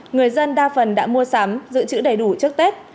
người dân đa phần đã mua sắm giữ chữ đầy đủ trước tết